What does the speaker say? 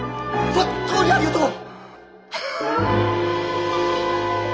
本当にありがとう！